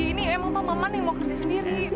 ini emang pak mama nih yang mau kerja sendiri